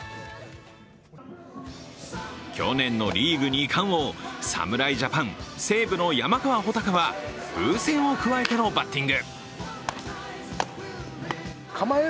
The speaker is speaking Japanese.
去年のリーグ２冠王、侍ジャパン、西武の山川穂高は風船をくわえてのバッティング。